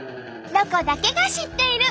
「ロコだけが知っている」。